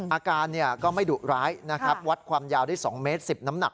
อาการก็ไม่ดุร้ายนะครับวัดความยาวได้๒เมตร๑๐น้ำหนัก